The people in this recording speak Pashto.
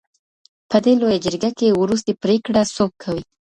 په دي لویه جرګه کي وروستۍ پرېکړه څوک کوي؟